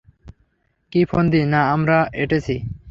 কী ফন্দি না আমরা এটেছি!